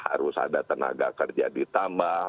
harus ada tenaga kerja ditambah